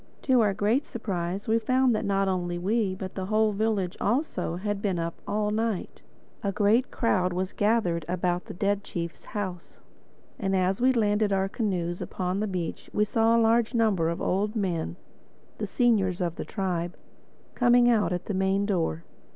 To our great surprise we found that not only we, but the whole village also, had been up all night. A great crowd was gathered about the dead chief's house. And as we landed our canoes upon the beach we saw a large number of old men, the seniors of the tribe, coming out at the main door.